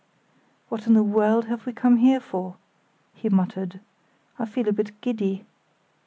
"What in the world have we come here for?" he muttered; "I feel a bit giddy."